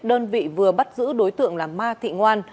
đơn vị vừa bắt giữ đối tượng là ma thị ngoan